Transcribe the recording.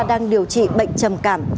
đang điều trị bệnh trầm cảm